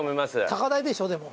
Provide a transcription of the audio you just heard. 高台でしょでも。